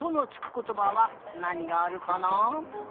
ことばはなにがあるかな？